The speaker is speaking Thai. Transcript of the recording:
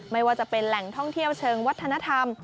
ไม่ว่าจะเป็นแหล่งท่องเที่ยวเชิงวัฒนธรรม